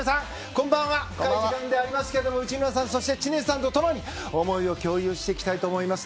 この時間でありますが内村さんそして知念さんとともに思いを共有していきたいと思います。